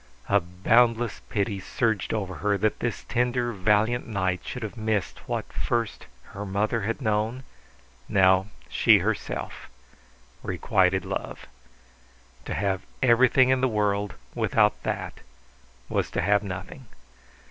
A boundless pity surged over her that this tender, valiant knight should have missed what first her mother had known now she herself requited love. To have everything in the world without that was to have nothing.